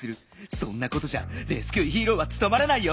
そんなことじゃレスキューヒーローはつとまらないよ。